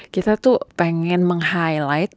kita tuh pengen meng highlight